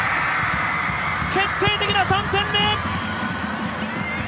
決定的な３点目！